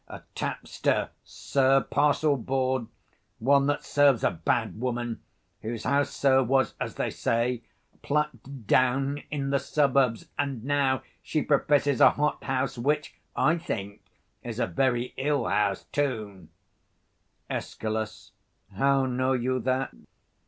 a tapster, sir; parcel bawd; one that serves a bad woman; whose house, sir, was, as they say, plucked down in the suburbs; and now she professes a hot house, which, I think, is a very ill house too. Escal. How know you that?